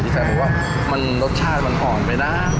พี่แฟนบอกว่ารสชาติมันอ่อนไปน่ะ